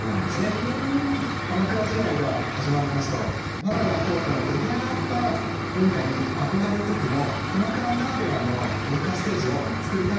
鎌倉時代が始まりますと奈良や京都の出来上がった文化に憧れつつも鎌倉ならではの文化ステージをつくりたいと思うようになります。